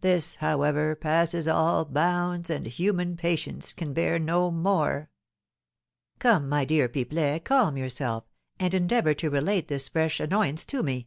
This, however, passes all bounds, and human patience can bear no more!" "Come, my dear M. Pipelet, calm yourself, and endeavour to relate this fresh annoyance to me."